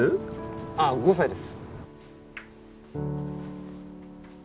ああ５歳です。